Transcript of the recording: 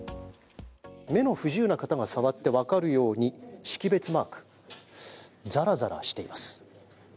目の不自由な方が触ってわかるように識別マークザラザラしています。